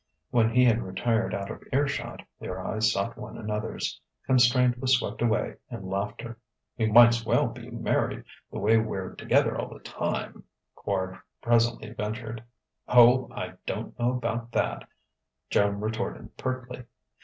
When he had retired out of earshot, their eyes sought one another's; constraint was swept away in laughter. "We might's well be married, the way we're together all the time," Quard presently ventured. "Oh, I don't know about that," Joan retorted pertly.